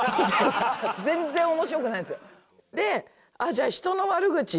全然面白くないんですよ。